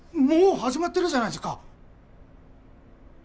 もう始まってるじゃないですか。